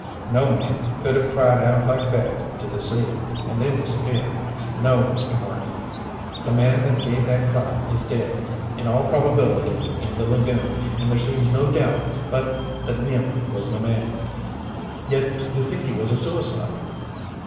"No man could have cried out like that to deceive, and then disappear. No, Mr. Marten, the man that gave that cry is dead, in all probability in the lagoon, and there seems no doubt but that Nealman was the man." "Yet you think he was a suicide."